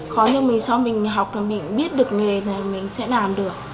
khó nhưng mà sau mình học mình biết được nghề thì mình sẽ làm được